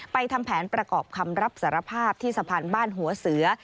ทำแผนประกอบคำรับสารภาพที่สะพานบ้านหัวเสือ